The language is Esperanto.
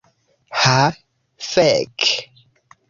Ha fek'